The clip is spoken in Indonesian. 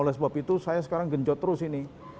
oleh sebab itu saya sekarang genjot terus ini